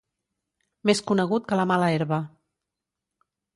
Més conegut que la mala herba.